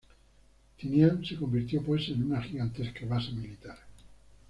Tinian se convirtió pues en una gigantesca base militar.